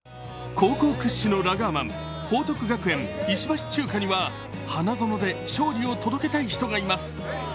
高校屈指のラガーマン、報徳学園・石橋チューカには花園で勝利を届けたい人がいます。